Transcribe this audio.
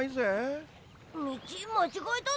道間違えただか？